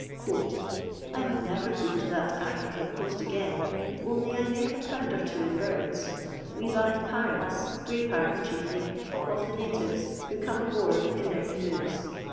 onld never go to that African coast again, nake a pound or two in birds. We buy gray parrots chiefly^ of the natives, who )oard in their canoes.